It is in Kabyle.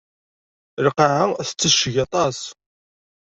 Lqaɛa tettecceg aṭas.